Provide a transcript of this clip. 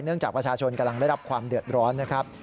จากประชาชนกำลังได้รับความเดือดร้อนนะครับ